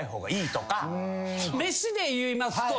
飯で言いますと。